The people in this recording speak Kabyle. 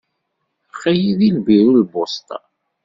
Aql-i deg lbiru n lpusṭa.